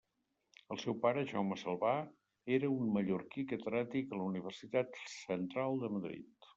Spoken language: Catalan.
El seu pare, Jaume Salvà, era un mallorquí catedràtic a la Universitat Central de Madrid.